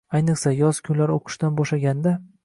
Ayniqsa, yoz kunlari o’qishdan bo’shaganda